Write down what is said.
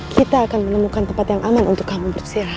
kita akan menemukan tempat yang aman untuk kamu bersia